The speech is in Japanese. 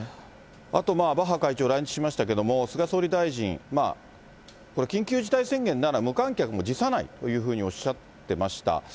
あとバッハ会長来日しましたけれども、菅総理大臣、これ、緊急事態宣言なら無観客も辞さないというふうにおっしゃってました。